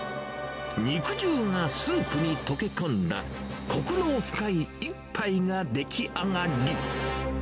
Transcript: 肉汁がスープに溶け込んだ、こくの深い一杯が出来上がり。